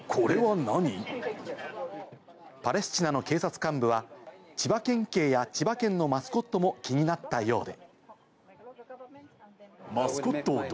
パレスチナの警察幹部は、千葉県警や千葉県のマスコットも気になったようで。